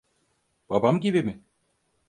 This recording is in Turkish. Babam gibi mi?